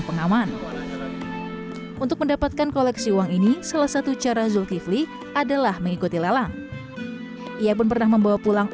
selama ini salah satu cara zulkifli adalah mengikuti nelang ia pun pernah membawa pulang